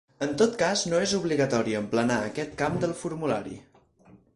En tot cas no és obligatori emplenar aquest camp del formulari.